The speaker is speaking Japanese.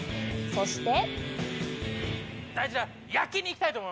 そして。